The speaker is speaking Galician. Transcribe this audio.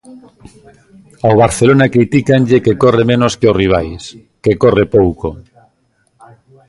Ao Barcelona critícanlle que corre menos que os rivais, que corre pouco.